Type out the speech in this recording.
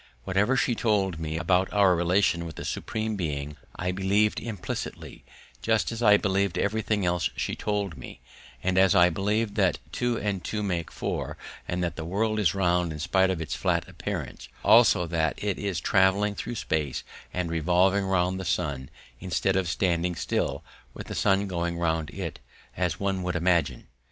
Whatever she told me about our relations with the Supreme Being I believed implicitly, just as I believed everything else she told me, and as I believed that two and two make four and that the world is round in spite of its flat appearance; also that it is travelling through space and revolving round the sun instead of standing still, with the sun going round it, as one would imagine.